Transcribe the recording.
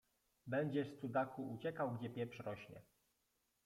Będziesz, Cudaku, uciekał, gdzie pieprz rośnie.